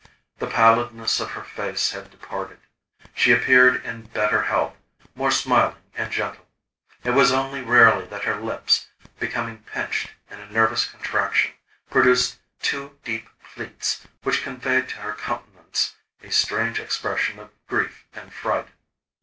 The pallidness of her face had departed. She appeared in better health, more smiling and gentle. It was only rarely that her lips, becoming pinched in a nervous contraction, produced two deep pleats which conveyed to her countenance a strange expression of grief and fright.